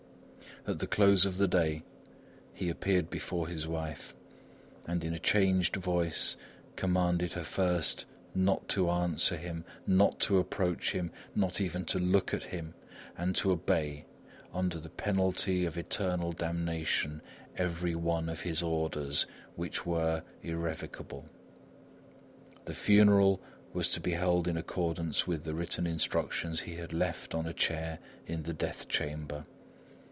At the close of the day, he appeared before his wife, and in a changed voice commanded her first not to answer him, not to approach him, not even to look at him, and to obey, under the penalty of eternal damnation, every one of his orders, which were irrevocable. The funeral was to be held in accordance with the written instructions he had left on a chair in the death chamber.